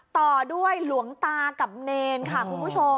ต่อด้วยหลวงตากับเนรค่ะคุณผู้ชม